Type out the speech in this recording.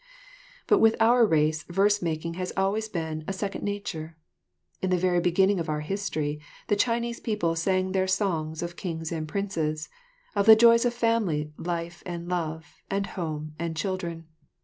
But with our race verse making has always been a second nature. In the very beginning of our history, the Chinese people sang their songs of kings and princes, of the joys of family life and love and home and children.